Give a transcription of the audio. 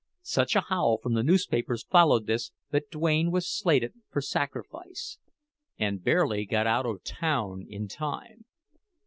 Such a howl from the newspapers followed this that Duane was slated for sacrifice, and barely got out of town in time.